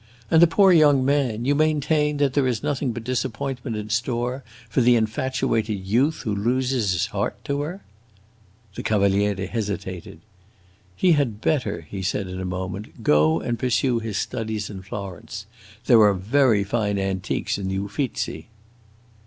"And the poor young man! You maintain that there is nothing but disappointment in store for the infatuated youth who loses his heart to her!" The Cavaliere hesitated. "He had better," he said in a moment, "go and pursue his studies in Florence. There are very fine antiques in the Uffizi!"